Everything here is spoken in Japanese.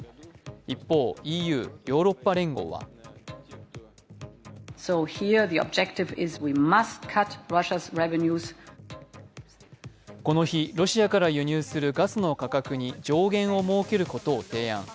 一方、ＥＵ＝ヨーロッパ連合はこの日ロシアから輸入するガスの価格に上限を設けることを提案。